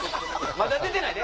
まだ出てないで